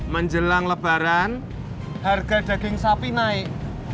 menjelang lebaran harga daging sapi naik